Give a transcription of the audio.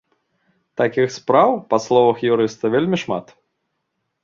Такіх спраў, па словах юрыста, вельмі шмат.